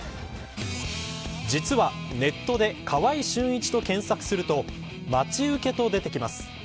実は、ネットで川合俊一と検索すると待ち受け、と出てきます。